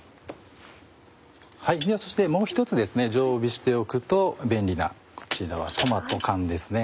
そしてもう１つ常備しておくと便利なこちらはトマト缶ですね。